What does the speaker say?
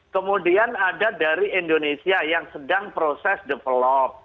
kemudian ada dari indonesia yang sedang proses develop